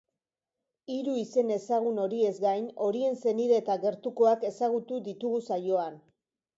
Hiru izen ezagun horiez gain, horien senide eta gertukoak ezagutu ditugu saioan.